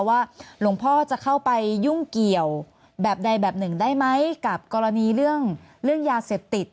ว่าหลวงพ่อจะเข้าไปยุ่งเกี่ยวแบบใดแบบหนึ่งได้ไหมกับกรณีเรื่องยาเสพติด